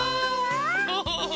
ウフフフ！